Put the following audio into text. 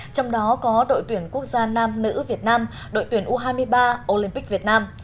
trong đó có đội tuyển quốc gia nam nữ việt nam đội tuyển u hai mươi ba olympic việt nam